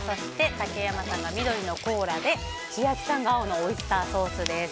竹山さんが緑のコーラで千秋さんが青のオイスターソースです。